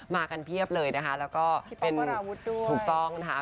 มากันเพียบเลยนะคะแล้วก็พี่ต้มประหวุดด้วยถูกต้องนะคะ